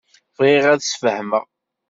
Bɣiɣ ad d-sfehmeɣ.